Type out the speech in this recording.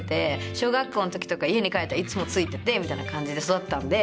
小学校の時とか家に帰ったらいつもついててみたいな感じで育ったんで。